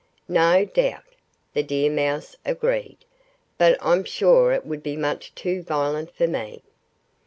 "No doubt!" the deer mouse agreed. "But I'm sure it would be much too violent for me."